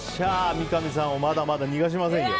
三上さんをまだまだ逃がしませんよ。